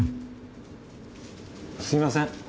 すみません。